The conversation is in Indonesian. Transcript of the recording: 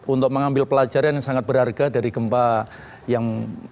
untuk mengambil pelajaran yang sangat berharga dari gempa yang